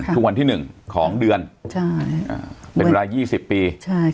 ทุกวันที่๑ของเดือนเป็นเวลา๒๐ปี